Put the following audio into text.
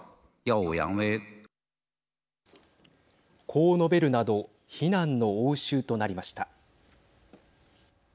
こう述べるなど非難の応酬となりました。